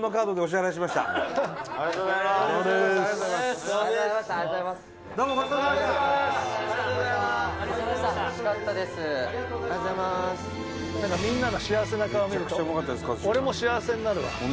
長嶋：みんなの幸せな顔、見ると俺も幸せになるわ。